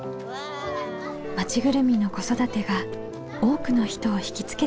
町ぐるみの子育てが多くの人をひきつけています。